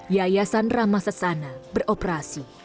yayasan rahma sassana beroperasi